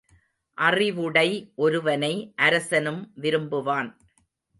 அறிவுடை ஒருவனை அரசனும் விரும்புவான்.